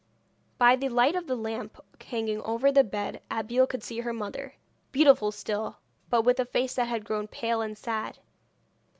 By the light of a lamp hanging over the bed Abeille could see her mother, beautiful still, but with a face that had grown pale and sad.